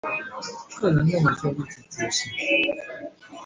個人認為就立即執行